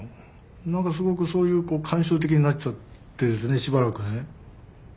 なんかすごくそういう感傷的になっちゃってしばらくね。